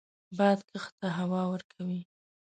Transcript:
باد کښت ته هوا ورکوي